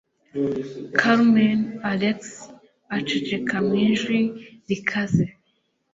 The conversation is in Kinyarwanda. Carmen," Alex aceceka mu ijwi rikaze.